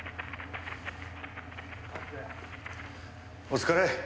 お疲れ。